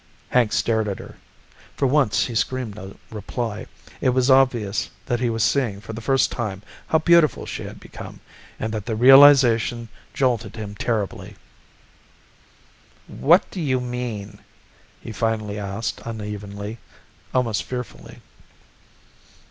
Hank stared at her. For once he screamed no reply. It was obvious that he was seeing for the first time how beautiful she had become, and that the realization jolted him terribly. "What do you mean?" he finally asked unevenly, almost fearfully.